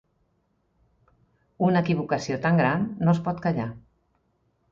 Una equivocació tan gran no es pot callar.